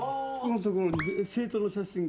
生徒の写真が。